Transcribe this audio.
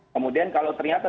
kemudian kalau ternyata